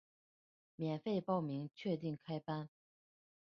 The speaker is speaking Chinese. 免费报名，确定开班